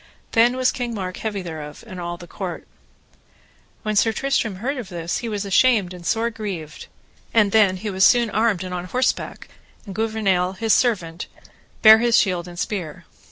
Then was King Mark heavy thereof, and all the court. When Sir Tristram heard of this he was ashamed and sore grieved; and then was he soon armed and on horseback, and Gouvernail, his servant, bare his shield and spear.